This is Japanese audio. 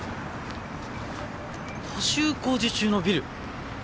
補修工事中のビル？